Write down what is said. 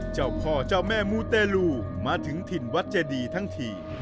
เจ้าพ่อเจ้าแม่มูเตลูมาถึงถิ่นวัดเจดีทั้งที